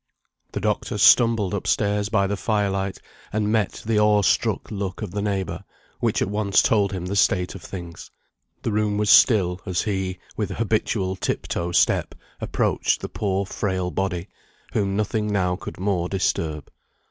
The doctor stumbled up stairs by the fire light, and met the awe struck look of the neighbour, which at once told him the state of things. The room was still, as he, with habitual tip toe step, approached the poor frail body, whom nothing now could more disturb.